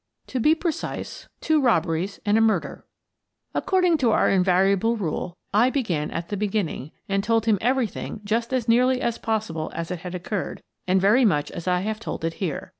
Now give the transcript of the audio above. " To be precise, two robberies and a murder." According to our invariable rule, I began at the beginning and told him everything just as nearly as possible as it had occurred and very much as I have told it here.